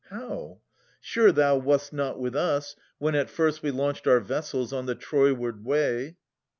How ? Sure thou wast not with us, when at first We launched our vessels on the Troyward way